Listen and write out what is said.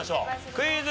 クイズ。